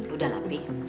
udah lah pi